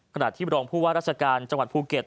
ขณะที่รองผู้ว่าราชการจังหวัดภูเก็ต